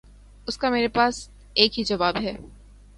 اس کا میرے پاس ایک ہی جواب ہے۔